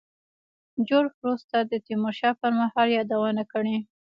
جورج فورستر د تیمور شاه پر مهال یادونه کړې.